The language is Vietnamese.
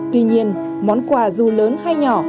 tuy nhiên món quà dù lớn hay nhỏ